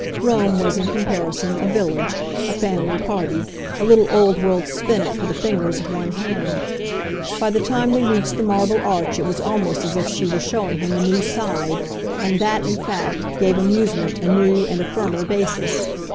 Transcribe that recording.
Rome was, in comparison, a village, a family party, a little old world spinnet for the fingers of one hand. By the time they reached the Marble Arch it was almost as if she were showing him a new side, and that, in fact, gave amusement a new and a firmer basis.